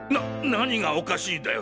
何がおかしいんだよ？